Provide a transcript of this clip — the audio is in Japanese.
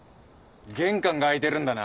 玄関が開いてるんだな？